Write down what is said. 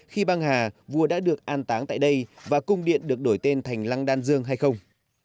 khi băng hà vua đã được an táng tại đây và cung điện được đổi tên thành lăng đan dương hay không